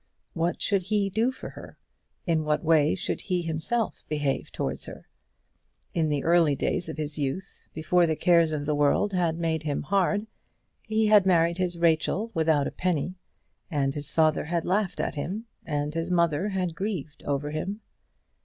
What should he do for her? In what way should he himself behave towards her? In the early days of his youth, before the cares of the world had made him hard, he had married his Rachel without a penny, and his father had laughed at him, and his mother had grieved over him.